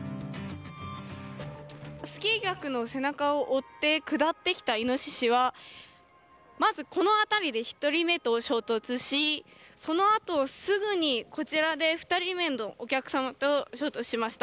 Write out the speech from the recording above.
スキー客の背中を追って下ってきたイノシシはまず、この辺りで１人目と衝突しその後すぐにこちらで２人目のお客様と衝突しました。